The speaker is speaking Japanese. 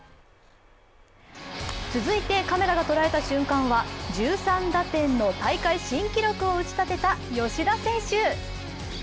続いてカメラが捉えた瞬間は１３打点の大会新記録を打ち立てた吉田選手。